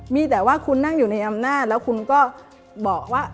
มีแต่ว่าคุณนั่งอยู่ในอำนาจแล้วคุณก็บอกว่า